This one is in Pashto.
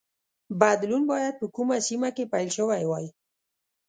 بدلون باید په کومه سیمه کې پیل شوی وای.